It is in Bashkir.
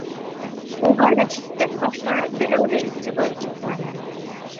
Уға Рәшиттән башҡа берәү ҙә иғтибар итмәне.